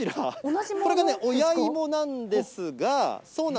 これが親芋なんですが。